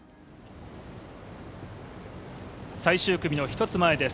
最終組の１つ前です。